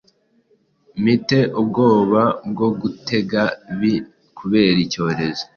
Mite ubwoba bwogutega bii kubera icyorezo